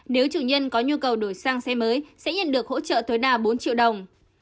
nếu chủ nhân có nhu cầu đổi sang xe mới sẽ nhận được hỗ trợ tối đa bốn triệu đồng